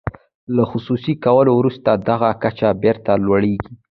له خصوصي کولو وروسته دغه کچه بیرته لوړیږي.